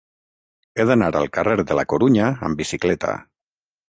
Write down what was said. He d'anar al carrer de la Corunya amb bicicleta.